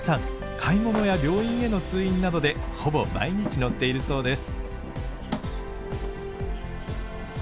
買い物や病院への通院などでほぼ毎日乗っているそうです。